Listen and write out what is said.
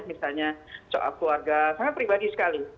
misalnya soal keluarga sangat pribadi sekali